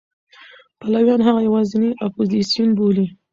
پلویان هغه یوازینی اپوزېسیون بولي.